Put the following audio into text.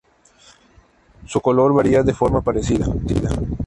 Su color varía de forma parecida.